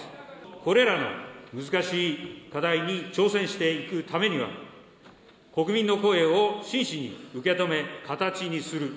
これらの難しい課題に挑戦していくためには、国民の声を真摯に受け止め、形にする。